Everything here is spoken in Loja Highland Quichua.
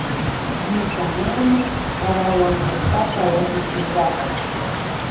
Ñuka mama karawan allpata wasi chinkapa.